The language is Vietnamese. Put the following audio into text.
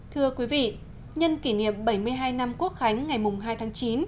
thưa quý vị nhân kỷ niệm bảy mươi hai năm quốc khánh ngày hai tháng chín